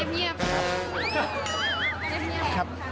เงียบ